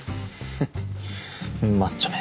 フンッマッチョめ！